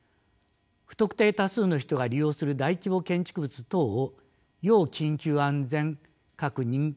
不特定多数の人が利用する大規模建築物等を要緊急安全確認